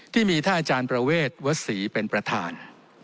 ที่มีท่านอาจารย์ประเวทวศรีเป็นประธาน